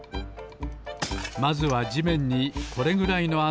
まずはじめんにこれぐらいのあなをほります。